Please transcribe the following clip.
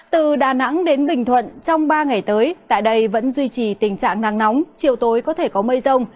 từ đà nẵng đến bình thuận trong ba ngày tới tại đây vẫn duy trì tình trạng nắng nóng chiều tối có thể có mây rông